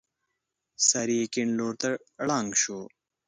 سر يې کيڼ لور ته ړنګ شو.